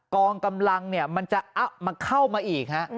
กองกำลังมันจะอ๊ะอ้ะเอามาเข้ามาอีก